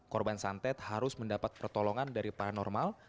korban santet harus mendapat pertolongan dari paranormal